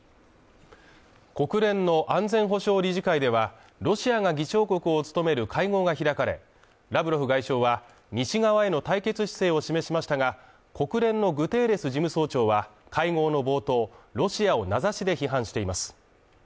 国連の安全保障理事会ではロシアが議長国を務める会合が開かれラブロフ外相は、西側への対決姿勢を示しましたが、国連のグテーレス事務総長は会合の冒頭、ロシアを名指しで批判しています。